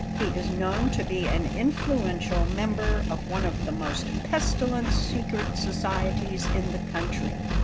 He is known to be an influential member of one of the most pestilent secret societies in the country.